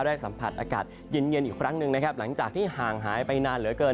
ได้สัมผัสอากาศเย็นอีกครั้งหนึ่งหางหายไปนานเหลือเกิน